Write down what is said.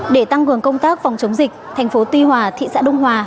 để tăng cường công tác phòng chống dịch thành phố tuy hòa thị xã đông hòa